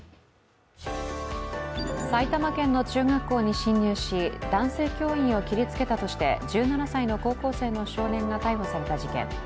埼玉県の中学校に侵入し、男性教員を切りつけたとして１７歳の高校生の少年が逮捕された事件。